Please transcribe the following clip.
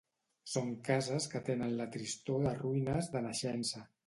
Son cases que tenen la tristor de ruïnes de naixença